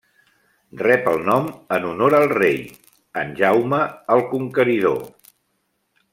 Rep el nom en honor al rei en Jaume, el conqueridor.